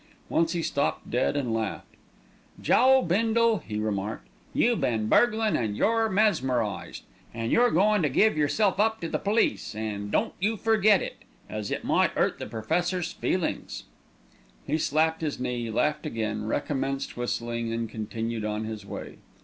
Once he stopped dead and laughed. "Joe Bindle," he remarked, "you been burglin', and you're mesmerised, an' you're goin' to give yerself up to the police, an' don't you forget it, as it might 'urt the Professor's feelings." He slapped his knee, laughed again, recommenced whistling, and continued on his way.